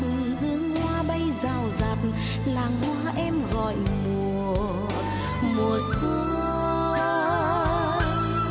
hương hoa bay rào rạt làng hoa em gọi mùa mùa xuân